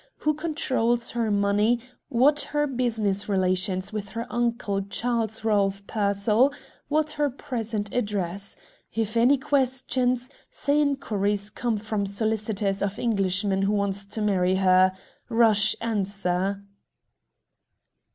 Who controls her money, what her business relations with her uncle Charles Ralph Pearsall, what her present address. If any questions, say inquiries come from solicitors of Englishman who wants to marry her. Rush answer."